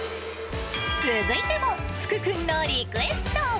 続いても、福君のリクエスト。